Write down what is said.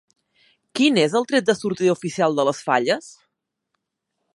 Quin és el tret de sortida oficial de les falles?